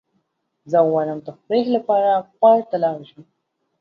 زه غواړم تفریح لپاره پارک ته لاړ شم.